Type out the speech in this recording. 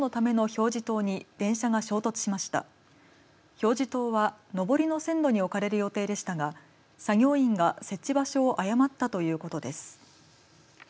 表示灯は上りの線路に置かれる予定でしたが作業員が設置場所を誤ったということです。